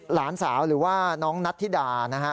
หลานสาวหรือว่าน้องนัทธิดานะฮะ